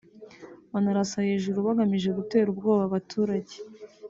banarasa hejuru bagamije gutera ubwoba abaturage